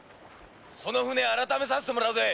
舟を改めさせてもらうぜ！